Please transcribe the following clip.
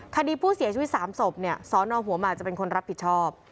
คดีผู้เสียชีวิต๓ศพสนหัวหมากจะเป็นคนรับผิดชอบ